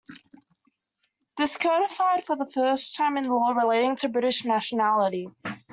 This codified for the first time the law relating to British nationality.